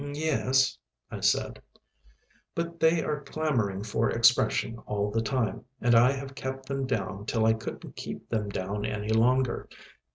"Yes," I said. "But they were clamouring for expression all the time. And I have kept them down till I couldn't keep them down any longer.